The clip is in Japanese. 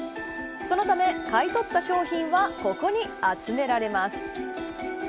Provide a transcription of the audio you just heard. そのため買い取った商品はここに集められます。